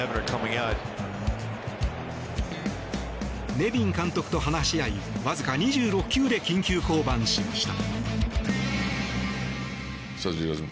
ネビン監督と話し合いわずか２６球で緊急降板しました。